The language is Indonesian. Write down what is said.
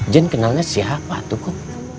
jen kenalnya siapa tuh kum